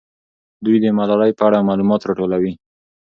دوی د ملالۍ په اړه معلومات راټولوي.